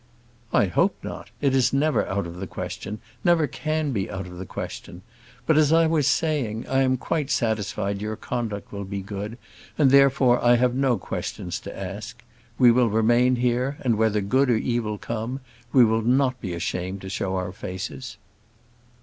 "I hope not. It is never out of the question, never can be out of the question. But, as I was saying, I am quite satisfied your conduct will be good, and, therefore, I have no questions to ask. We will remain here; and, whether good or evil come, we will not be ashamed to show our faces."